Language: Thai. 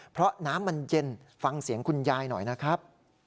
เพราะน้ำมันเย็นฟังเสียงคุณยายหน่อยนะครับ